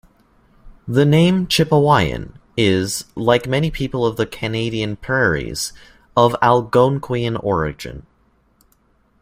The name "Chipewyan" is, like many people of the Canadian prairies, of Algonquian origin.